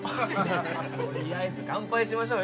とりあえず乾杯しましょうよ